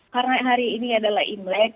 karena hari ini adalah e black